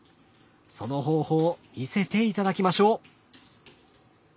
その方法見せて頂きましょう！